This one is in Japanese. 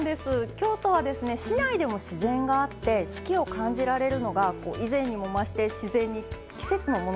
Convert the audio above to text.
京都は市内でも自然があって四季を感じられるのが以前にも増して自然に季節のものをね